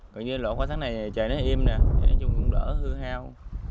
cũng như lọt qua tháng này trời nó im nè nói chung cũng đỡ hư hao